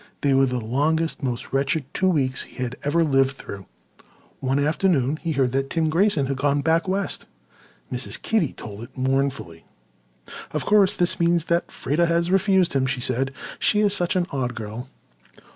They were the longest, most wretched two weeks he had ever lived through. One afternoon he heard that Tim Grayson had gone back west. Mrs. Kitty told it mournfully. "Of course, this means that Freda has refused him," she said. "She is such an odd girl."